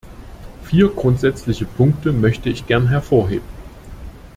Vier grundsätzliche Punkte möchte ich gerne hervorheben.